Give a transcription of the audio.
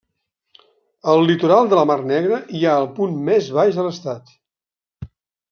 Al litoral de la mar Negra hi ha el punt més baix de l'estat.